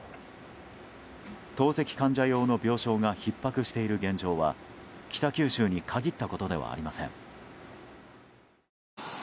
透析患者用の病床がひっ迫している現状は北九州に限ったことではありません。